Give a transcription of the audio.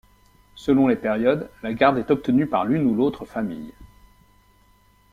Selon les périodes, la garde est obtenue par l'une ou l'autre famille.